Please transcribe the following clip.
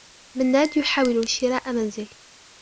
منّاد يحاول شراء منزل.